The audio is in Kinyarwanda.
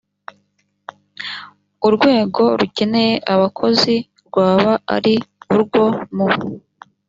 urwego rukeneye abakozi rwaba ari urwo mu